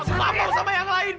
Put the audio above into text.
aku gak mau sama yang lain